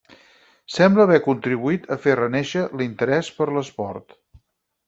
Sembla haver contribuït a fer renéixer l'interès per l'esport.